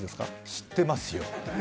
知ってますよ。